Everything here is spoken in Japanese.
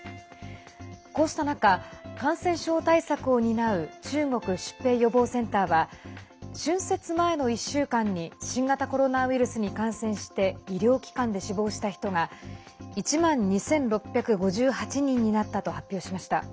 こうした中、感染症対策を担う中国疾病予防センターは春節前の１週間に新型コロナウイルスに感染して医療機関で死亡した人が１万２６５８人になったと発表しました。